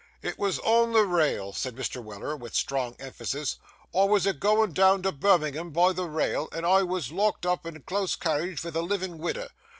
'It wos on the rail,' said Mr. Weller, with strong emphasis; 'I wos a goin' down to Birmingham by the rail, and I wos locked up in a close carriage vith a living widder.